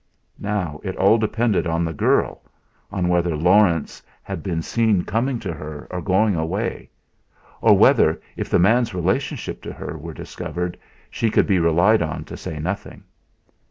Now, it all depended on the girl; on whether Laurence had been seen coming to her or going away; on whether, if the man's relationship to her were discovered, she could be relied on to say nothing.